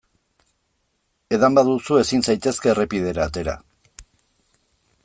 Edan baduzu ezin zaitezke errepidera atera.